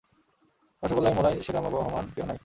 রসোগোল্লায় মোরাই সেরা মোগো হোমান কেউ নাই।